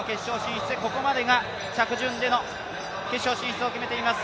ここまでが着順での決勝進出を決めています。